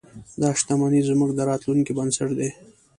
دا شتمنۍ زموږ د راتلونکي بنسټ دی.